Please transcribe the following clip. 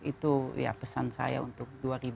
itu pesan saya untuk dua ribu sembilan belas